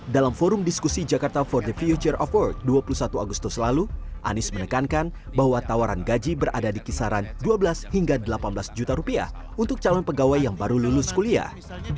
dalam forum diskusi jakarta for the future of world dua puluh satu agustus lalu anies menekankan bahwa tawaran gaji berada di kisaran dua belas hingga delapan belas juta rupiah untuk calon pegawai yang baru lulus kuliah